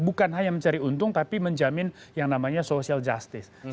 bukan hanya mencari untung tapi menjamin yang namanya social justice